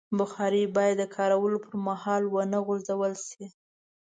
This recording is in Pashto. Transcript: بخاري باید د کارولو پر مهال ونه غورځول شي.